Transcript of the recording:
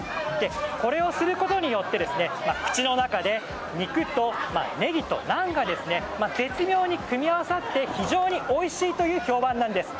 これをすることによって口の中で肉とネギとナンが絶妙に組み合わさって非常においしいという評判です。